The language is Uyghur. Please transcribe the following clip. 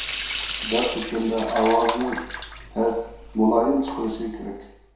دەرد تۆككەندە ئاۋازىنى پەس، مۇلايىم چىقىرىشى كېرەك.